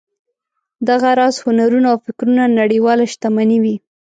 دغه راز هنرونه او فکرونه نړیواله شتمني وي.